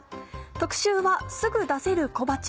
特集は「すぐ出せる！小鉢」。